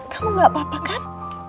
kamu gak apa apa kan